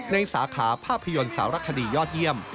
ในสาขาภาพยนตร์สาวรักษณียอดเยี่ยม